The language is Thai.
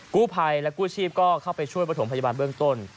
กู้ภัยและกู้ชีพก็เข้าไปช่วยประถมพยาบาลเบื้องต้น